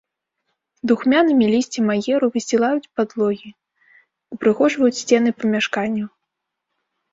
Духмянымі лісцем аеру высцілаюць падлогі, упрыгожваюць сцены памяшканняў.